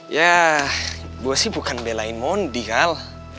ya gue sih bukan belain mondi kan